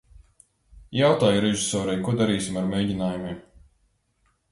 Jautāju režisorei, ko darīsim ar mēģinājumiem.